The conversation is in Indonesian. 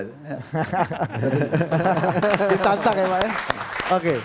sip tante kayak pak ya